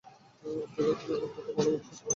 পূজা, তুমি আমার কত ভালো বন্ধু, সত্যি ভাল বন্ধু।